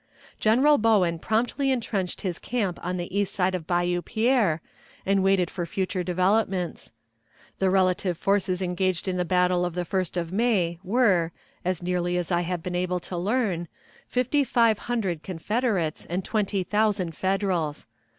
General Bowen promptly intrenched his camp on the east side of Bayou Pierre and waited for future developments. The relative forces engaged in the battle of the 1st of May were, as nearly as I have been able to learn, fifty five hundred Confederates and twenty thousand Federals.